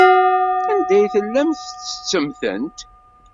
Anda ay tellamt tettettemt-tent?